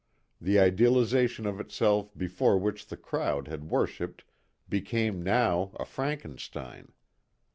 The idealization of itself before which the crowd had worshipped became now a Frankenstein.